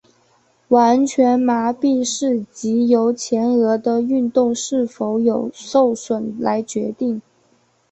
完全麻痹是藉由前额的运动是否有受损来决定。